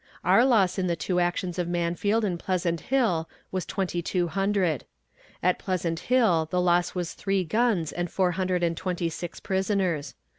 Our loss in the two actions of Mansfield and Pleasant Hill was twenty two hundred. At Pleasant Hill the loss was three guns and four hundred and twenty six prisoners.